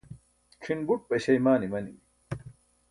cʰin buṭ paśeimaan imanimi